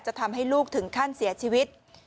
ทำให้ลูกถึงขั้นเสียชีวิต